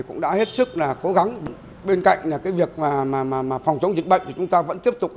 cũng đã hết sức cố gắng bên cạnh việc phòng chống dịch bệnh